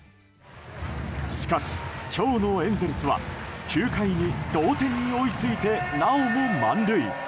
しかし、今日のエンゼルスは９回に同点に追いついてなおも満塁。